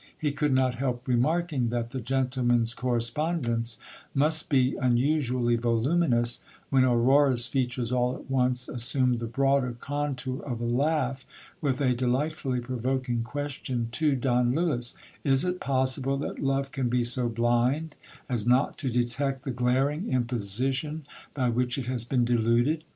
He could not help remarking, that the gentleman's corre spondence must be unusally voluminous, when Aurora's features all at once as sumed the broader contour of a laugh, with a delightfully provoking question to Don Lewis — Is it possible that love can be so blind as not to detect the glaring imposition by which it has been deluded